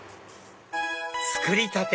作りたて！